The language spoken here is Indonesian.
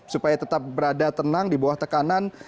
supaya tetap berada tenang di bawah tekanan